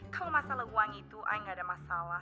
kalau masalah uang itu i nggak ada masalah